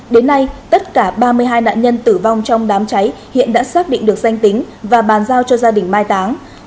đến nay tất cả ba mươi hai nạn nhân tử vong trong đám cháy hiện đã xác định được danh tính và bàn giao cho gia đình mai táng